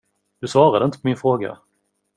Du svarade inte på min fråga.